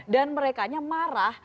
dan mereka marah